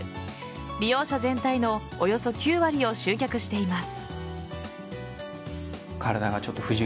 利用者全体のおよそ９割を集客しています。